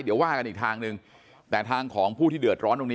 เดี๋ยวว่ากันอีกทางหนึ่งแต่ทางของผู้ที่เดือดร้อนตรงนี้